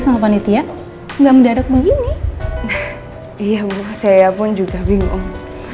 sama panitia enggak mendadak begini iya saya pun juga bingung